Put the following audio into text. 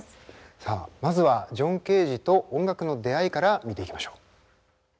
さあまずはジョン・ケージと音楽の出会いから見ていきましょう。